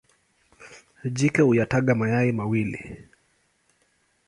Jike huyataga mayai mawili.